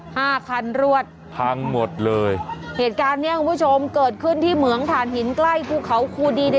ห้าคันรวดพังหมดเลยเหตุการณ์เนี้ยคุณผู้ชมเกิดขึ้นที่เหมืองฐานหินใกล้ภูเขาคูดีใน